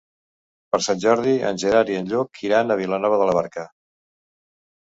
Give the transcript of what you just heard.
Per Sant Jordi en Gerard i en Lluc iran a Vilanova de la Barca.